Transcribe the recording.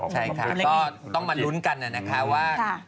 ใช่ค่ะก็ต้องมาลุ้นกันนะคะว่า